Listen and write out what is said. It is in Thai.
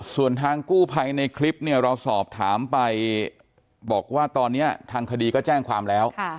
ส่วนทางกู้ภัยในคลิปเนี่ยเราสอบถามไปบอกว่าตอนนี้ทางคดีก็แจ้งความแล้ว